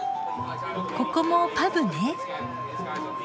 ここもパブね。